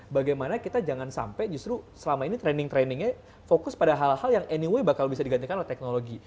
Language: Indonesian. bagaimana kita jangan sampai justru selama ini training trainingnya fokus pada hal hal yang anyway bakal bisa digantikan oleh teknologi